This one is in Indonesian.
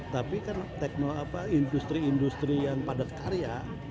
tapi kan industri industri yang padat karya